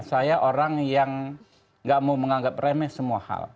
saya orang yang gak mau menganggap remeh semua hal